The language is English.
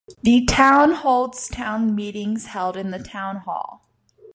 The town holds town meetings held in the town hall.